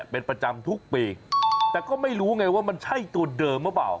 เป็นประจำทุกปีแต่ก็ไม่รู้ไงว่ามันใช่ตัวเดิมหรือเปล่า